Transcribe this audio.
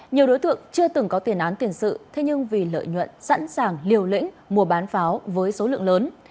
nhiều đối tượng chưa từng có tiền án tiền sự thế nhưng vì lợi nhuận sẵn sàng liều lĩnh mua bán pháo với số lượng lớn